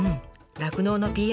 酪農のＰＲ